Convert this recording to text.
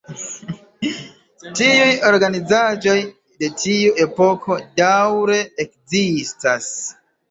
Tiuj organizaĵoj de tiu epoko daŭre ekzistas.